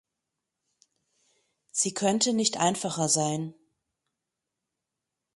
Sie könnte nicht einfacher sein.